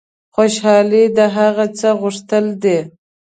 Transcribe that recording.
خوشحالي د هغه څه غوښتل دي.